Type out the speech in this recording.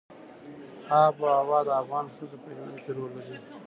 آب وهوا د افغان ښځو په ژوند کې رول لري.